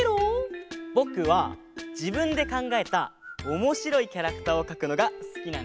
ぼくはじぶんでかんがえたおもしろいキャラクターをかくのがすきなんだ。